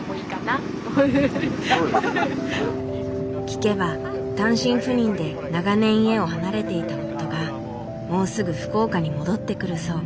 聞けば単身赴任で長年家を離れていた夫がもうすぐ福岡に戻ってくるそう。